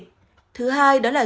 hai suy tim tâm trương